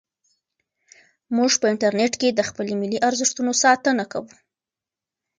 موږ په انټرنیټ کې د خپلو ملي ارزښتونو ساتنه کوو.